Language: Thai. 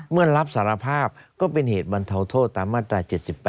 เมื่อรับสารภาพก็เป็นเหตุบรรเทาโทษตามมาตรา๗๘